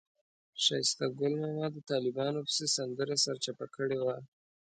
ښایسته ګل ماما د طالبانو پسې سندره سرچپه کړې وه.